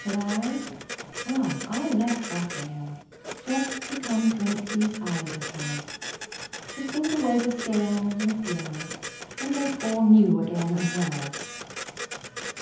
But I, well, I left Raphael Just to come drink these eyes of hers, To think away the stains and blurs And make all new again and well.